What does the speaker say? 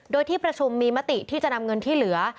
โดยที่ประชุมมีมติที่จะนำเงินที่เหลือ